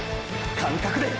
感覚で！！